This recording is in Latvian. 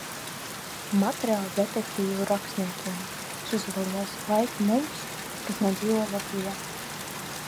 Materiāls detektīvu rakstniekiem. Šis ir lielisks laiks mums, kas nedzīvo Latvijā.